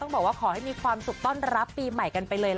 บอกว่าขอให้มีความสุขต้อนรับปีใหม่กันไปเลย